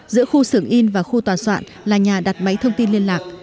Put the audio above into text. giữa khu xưởng in và khu tòa soạn là nhà đặt máy thông tin liên lạc